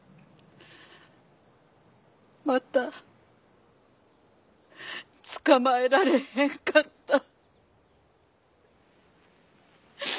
またつかまえられへんかった。